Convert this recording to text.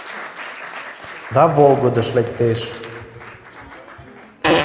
Да волгыдыш лектеш.